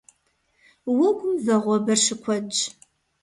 Уэгум вагъуэбэр щыкуэдщ.